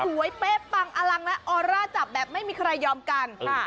เป๊ะปังอลังและออร่าจับแบบไม่มีใครยอมกันค่ะ